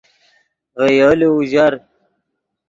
ڤے یولو اوژر